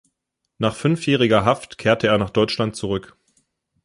Nach fünfjähriger Haft kehrte er nach Deutschland zurück.